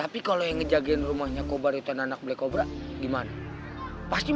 aduh gue harus bersikap gimana nih